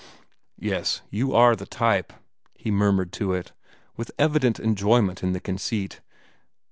"Yes, you are the type," he murmured to it, with evident enjoyment in the conceit.